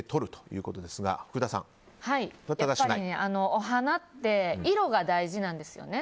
お花って色が大事なんですよね。